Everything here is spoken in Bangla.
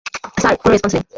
স্যার, কোন রেসপন্স নেই।